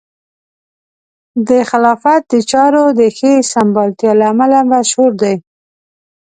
د خلافت د چارو د ښې سمبالتیا له امله مشهور دی.